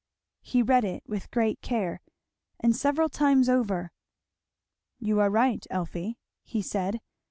He read it with great care, and several times over. "You are right, Elfie," he said.